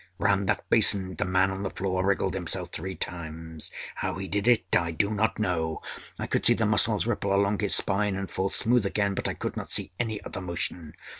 Round that basin the man on the floor wriggled himself three times. How he did it I do not know. I could see the muscles ripple along his spine and fall smooth again; but I could not see any other motion.